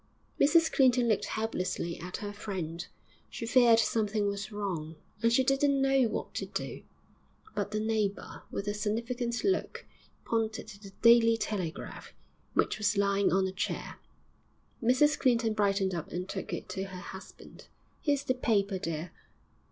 Mrs Clinton looked helplessly at her friend; she feared something was wrong, and she didn't know what to do. But the neighbour, with a significant look, pointed to the Daily Telegraph, which was lying on a chair. Mrs Clinton brightened up and took it to her husband. 'Here's the paper, dear.'